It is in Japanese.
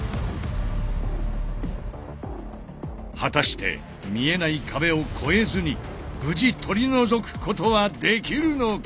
果たして見えない壁を越えずに無事取り除くことはできるのか？